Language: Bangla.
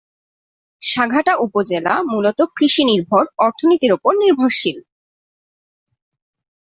সাঘাটা উপজেলা মূলত কৃষি নির্ভর অর্থনীতির উপর নির্ভরশীল।